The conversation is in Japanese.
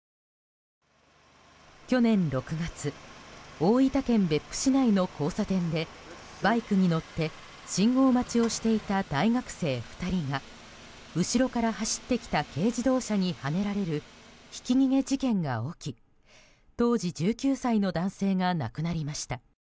去年６月大分県別府市内の交差点でバイクに乗って信号待ちをしていた大学生２人が後ろから走ってきた軽自動車にはねられるひき逃げ事件が起き当時１９歳の男性が亡くなりました。